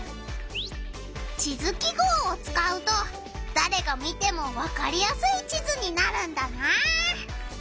地図記号をつかうとだれが見てもわかりやすい地図になるんだな！